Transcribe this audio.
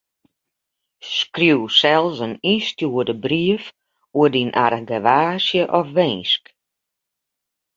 Skriuw sels in ynstjoerde brief oer dyn argewaasje of winsk.